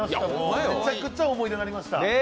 めちゃくちゃ思い出になりました。